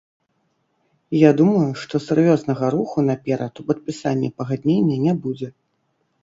Я думаю, што сур'ёзнага руху наперад у падпісанні пагаднення не будзе.